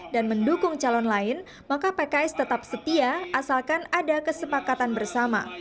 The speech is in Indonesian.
dan mendukung calon lain maka pks tetap setia asalkan ada kesepakatan bersama